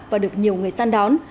và được nhiều người săn đón